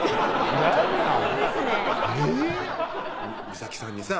美咲さんにさ